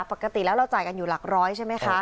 ปกติแล้วเราจ่ายกันอยู่หลักร้อยใช่ไหมคะ